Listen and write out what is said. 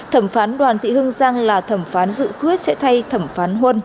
thẩm phán đoàn thị hương giang là thẩm phán dự quyết sẽ thay thẩm phán huân